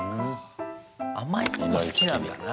甘いもの好きなんだな。